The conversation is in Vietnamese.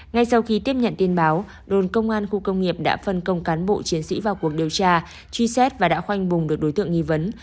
ngay sau khi tiếp nhận tin báo đồn công an khu công nghiệp đã phân công cán bộ chiến sĩ vào cuộc điều tra truy xét và đã khoanh vùng được đối tượng nghi vấn